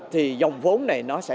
thì dòng vốn này nó sẽ